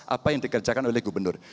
apa yang dikerjakan oleh gubernur